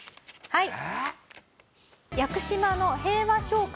はい。